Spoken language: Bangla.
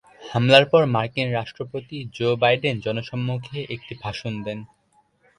হামলার পর মার্কিন রাষ্ট্রপতি জো বাইডেন জনসম্মুখে একটি ভাষণ দেন।